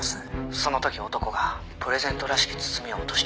「その時男がプレゼントらしき包みを落として」